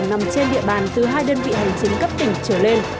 nằm trên địa bàn từ hai đơn vị hành chính cấp tỉnh trở lên